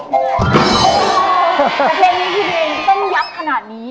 แต่เพลงนี้พี่ดิเองจะต้องยับขนาดนี้